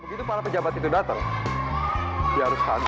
begitu para pejabat itu datang ya harus hantu